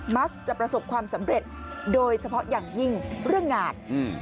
มักจะประสบความสำเร็จโดยเฉพาะอย่างยิ่งเรื่องงาน